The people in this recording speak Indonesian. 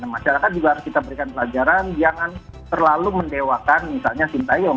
masyarakat juga harus kita berikan pelajaran jangan terlalu mendewakan misalnya sintayong